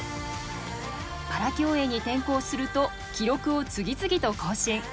パラ競泳に転向すると記録を次々と更新。